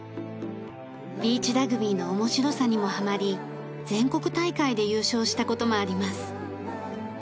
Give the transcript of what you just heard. ビーチラグビーの面白さにもはまり全国大会で優勝した事もあります。